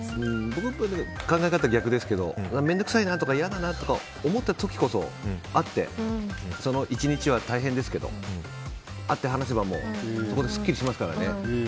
僕は考え方が逆で面倒くさいなとか嫌だと思った時こそ、会ってその１日は大変ですけど会って話せばそこですっきりしますからね。